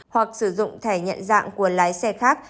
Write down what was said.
hoặc sử dụng thẻ nhận dạng của lái xe khác